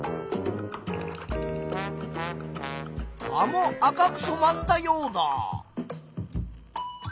葉も赤くそまったヨウダ。